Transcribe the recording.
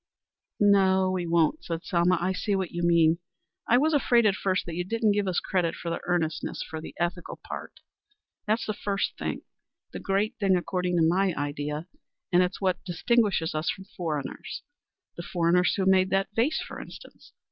"No, we won't," said Selma. "I see what you mean. I was afraid at first that you didn't give us credit for the earnestness for the ethical part. That's the first thing, the great thing according to my idea, and it's what distinguishes us from foreigners, the foreigners who made that vase, for instance.